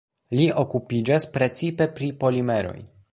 Li okupiĝas precipe pri polimeroj.